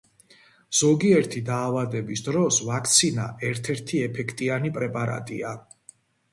ზოგიერთი დაავადების დროს ვაქცინა ერთ-ერთი ეფექტიანი პრეპარატია.